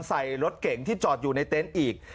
ใส่รถเก่งที่จอดอยู่ในเต็นต์อีก